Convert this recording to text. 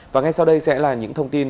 và ngay sau đây sẽ là những thông tin